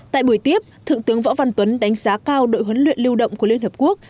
tại buổi tiếp thượng tướng võ văn tuấn đánh giá cao đội huấn luyện lưu động của liên hợp quốc